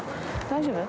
大丈夫？